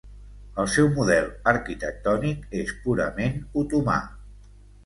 El seu model arquitectònic és purament otomà.